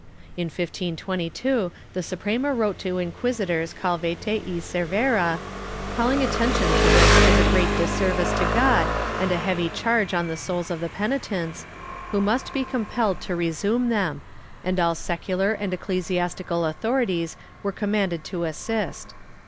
In 1522 the Suprema wrote to Inquisitors Calvete and Cervera calHng attention to this as a great disservice to God and a heavy charge on the souls of the penitents, who must be compelled to resume them, and all secular and ecclesiastical authorities were commanded to assist.